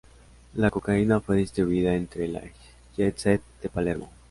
La cocaína fue distribuida entre la jet set de Palermo.